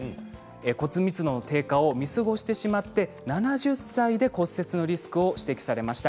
骨密度の低下を見過ごしてしまって７０歳で骨折のリスクを指摘されました。